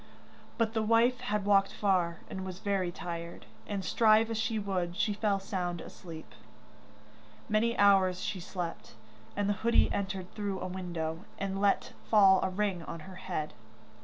But the wife had walked far, and was very tired, and strive as she would, she fell sound asleep. Many hours she slept, and the hoodie entered through a window, and let fall a ring on her hand.